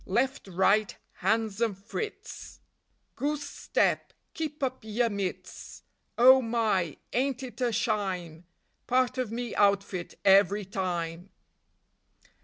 Left, right, Hans and Fritz! Goose step, keep up yer mits! Oh my, Ain't it a shyme! Part of me outfit every time.